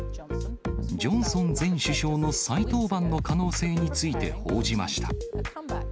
ジョンソン前首相の再登板の可能性について報じました。